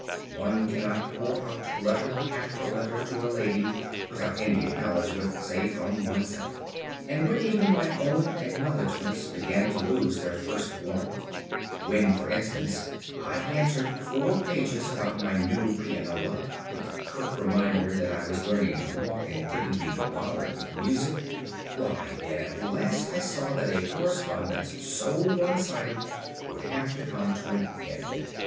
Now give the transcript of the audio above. One cannot pour out letter after letter to a lady without any acknowledgment save from oneself. And when even my own acknowledgments began to lose their first warmth when, for instance, I answered four pages about my new pianola with the curt reminder that I was learning to walk and couldn't be bothered with music, why, then at last I saw that a correspondence so one sided would have to come to an end.